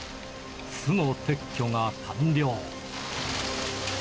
巣の撤去が完了。